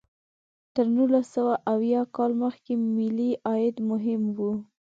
تر نولس سوه اویا کال مخکې ملي عاید مهم و.